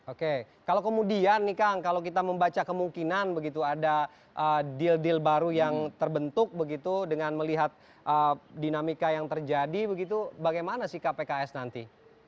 oke kalau kemudian nih kang kalau kita membaca kemungkinan begitu ada deal deal baru yang terbentuk begitu dengan melihat dinamika yang terjadi begitu bagaimana sikap pks nanti